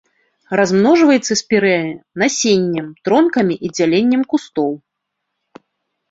Размножваецца спірэя насеннем, тронкамі і дзяленнем кустоў.